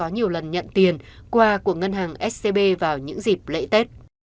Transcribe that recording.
nhiều lần nhận tiền qua của ngân hàng scb vào những dịp lễ tết